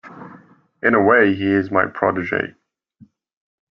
In a way he is my protege.